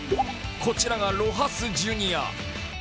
こちらがロハス・ジュニア。